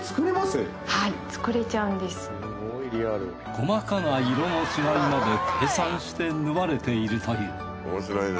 細かな色の違いまで計算して縫われているという。